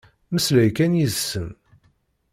Mmeslay kan yid-sen.